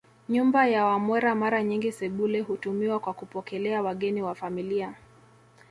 Nyumba ya Wamwera Mara nyingi sebule hutumiwa kwa kupokelea wageni wa familia